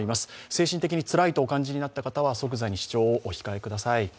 精神的につらいとお感じになった方は即座に視聴をお控えください。